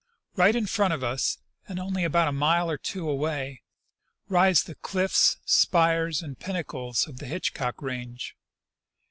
" Right in front of us, and only a mile or two away, rise the cliffs, spires, and pinnacles of the Hitchcock range.